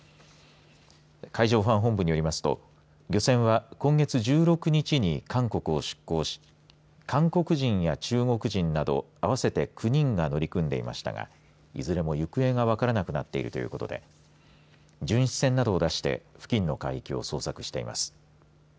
海上保安本部によりますと漁船は今月１６日に韓国を出港し韓国人や中国人など合わせて９人が乗り組んでいましたがいずれも行方が分からなくなっているということで巡視船などを出して付近の海域を捜索しています。